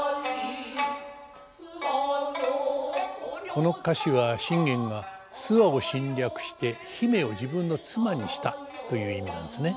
この歌詞は信玄が諏訪を侵略して姫を自分の妻にしたという意味なんですね。